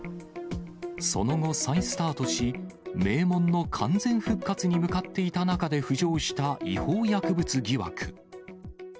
その後、再スタートし、名門の完全復活に向かっていた中で浮上した違法薬物疑惑。